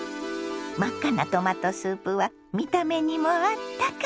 真っ赤なトマトスープは見た目にもあったか。